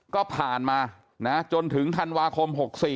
ก็ผ่านมาจนถึงธันวาคม๖๔